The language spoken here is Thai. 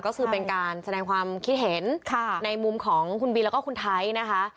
ก็คือเป็นการแสดงความคิดเห็นในมุมของคุณบีแล้วก็คุณไทยนะคะ